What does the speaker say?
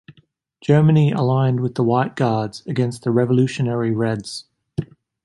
Germany aligned with the White Guards against the revolutionary Reds.